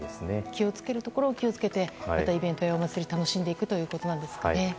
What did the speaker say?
気をつけるところは気を付けて祭りやイベントを楽しんでいくということですかね。